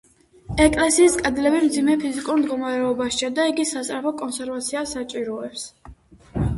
ეკლესიის კედლები მძიმე ფიზიკურ მდგომარეობაშია და იგი სასწრაფო კონსერვაციას საჭიროებს.